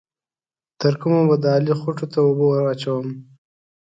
تر کومه به د علي خوټو ته اوبه ور اچوم؟